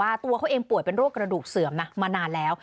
ตัวเขาเองป่วยเป็นโรคกระดูกเสื่อมนะมานานแล้ว